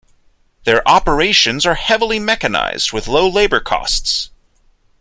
Their operations are heavily mechanized with low labor costs.